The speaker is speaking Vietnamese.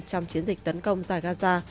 trong chiến dịch tấn công giải gaza